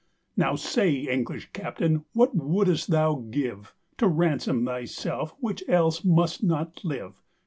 "Now saye, English captaine, what woldest thou give To ransome thy selfe, which else must not live?